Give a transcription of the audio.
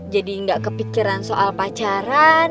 jadi gak kepikiran soal pacaran